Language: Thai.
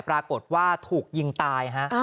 ปรากฏว่าถูกยิงตายฮะ